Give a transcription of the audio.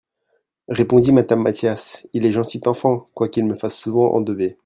repondit Madame Mathias, il est gentil enfant, quoiqu'il me fasse souvent endever.